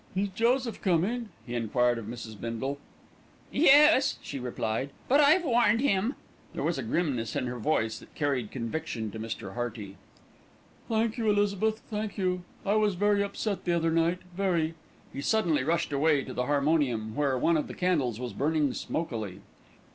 "Is Joseph coming?" he enquired of Mrs. Bindle. "Yes," she replied, "but I've warned him." There was a grimness in her voice that carried conviction to Mr. Hearty. "Thank you, Elizabeth, thank you. I was very upset the other night, very." He suddenly rushed away to the harmonium, where one of the candles was burning smokily.